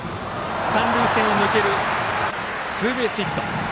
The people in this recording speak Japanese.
三塁線を抜けるツーベースヒット。